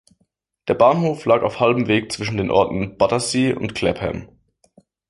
Der Bahnhof lag auf halbem Weg zwischen den Orten Battersea und Clapham.